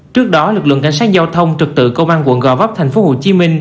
trước đó lực lượng cảnh sát giao thông trực tự công an quận gò vấp tp hcm